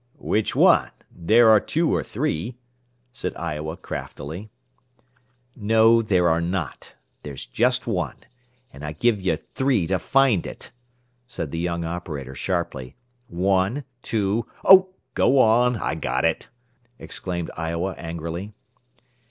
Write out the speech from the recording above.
"Which one? There are two or three," said Iowa craftily. "No, there are not. There's just one. And I give you 'three' to find it," said the young operator sharply. "One, two " "Oh, go on! I got it!" exclaimed Iowa angrily.